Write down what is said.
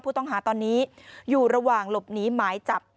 ผู้ต้องหาตอนนี้อยู่ระหว่างหลบหนีหมายจับ